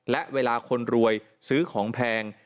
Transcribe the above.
และเวลาคนรวยซื้อของแพง